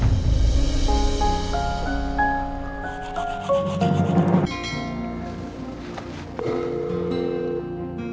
assalamualaikum warahmatullahi wabarakatuh